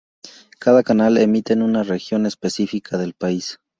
Cada canal emite en una región específica del país.